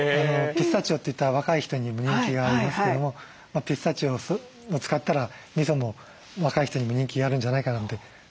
ピスタチオといったら若い人に人気がありますけどもピスタチオを使ったらみそも若い人にも人気があるんじゃないかなと思って。